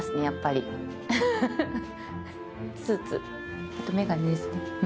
やっぱりスーツあとメガネですね